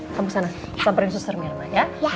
kamu sana samperin suster mirna ya